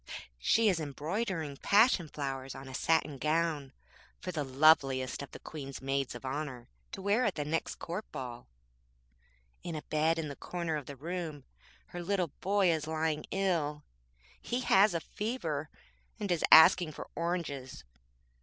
She is embroidering passion fowers on a satin gown for the loveliest of the Queen's maids of honour to wear at the next Court ball. In a bed in the corner of the room her little boy is lying ill. He has a fever, and is asking for oranges.